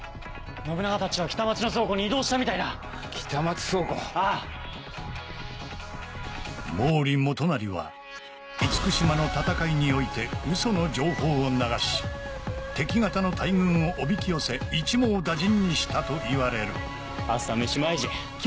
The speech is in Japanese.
信長たちは北町の倉庫に移動したみた毛利元就は厳島の戦いにおいてウソの情報を流し敵方の大軍をおびき寄せ一網打尽にしたといわれる朝飯前じゃ。